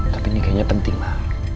tapi ini kayaknya penting mah